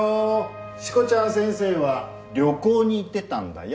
しこちゃん先生は旅行に行ってたんだよ。